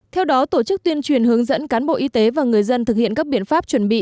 theo đó tổ chức tuyên truyền hướng dẫn cán bộ y tế và người dân thực hiện các biện pháp chuẩn bị